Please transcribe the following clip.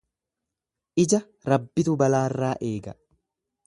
Ija Rabbitu balaarraa eega.